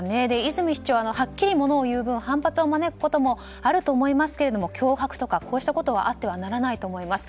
泉市長、はっきりものをいう分反発を招くこともありますが脅迫とか、こうしたことはあってはならないと思います。